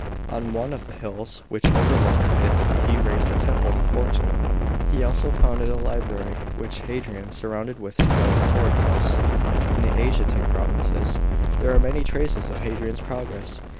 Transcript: On one of the hills which overlooked it he raised a temple to Fortune. He also founded a library, which Hadrian surrounded with splendid porticos. § 17. In the Asiatic provinces there are many traces of Hadrian's progress.